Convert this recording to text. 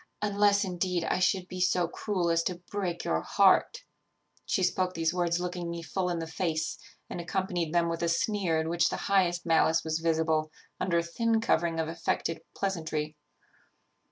unless, indeed, I should be so cruel as to break your heart' She spoke these words looking me full in the face, and accompanied them with a sneer in which the highest malice was visible, under a thin covering of affected pleasantry.